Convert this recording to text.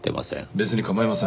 別に構いません。